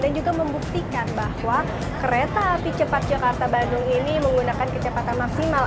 dan juga membuktikan bahwa kereta api cepat jakarta bandung ini menggunakan kecepatan maksimal